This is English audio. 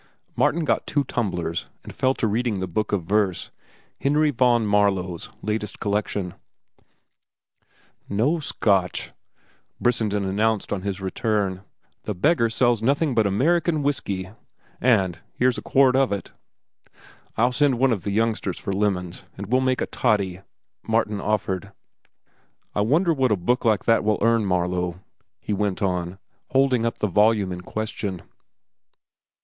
Martin got two tumblers, and fell to reading the book of verse, Henry Vaughn Marlow's latest collection. "No Scotch," Brissenden announced on his return. "The beggar sells nothing but American whiskey. But here's a quart of it." "I'll send one of the youngsters for lemons, and we'll make a toddy," Martin offered. "I wonder what a book like that will earn Marlow?" he went on, holding up the volume in question.